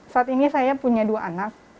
saat ini saya punya dua anak